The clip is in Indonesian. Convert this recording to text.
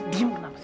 diam kenapa sih